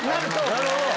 なるほど。